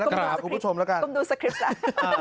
กรมดูสคริปต์ละกัน